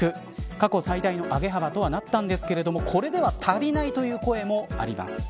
過去最大の上げ幅とはなったんですがこれでは足りないという声もあります。